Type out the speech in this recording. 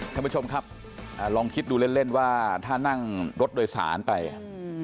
ท่านผู้ชมครับอ่าลองคิดดูเล่นเล่นว่าถ้านั่งรถโดยสารไปอ่ะอืม